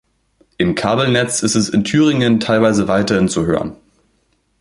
Im Kabelnetz ist es in Thüringen teilweise weiterhin zu hören.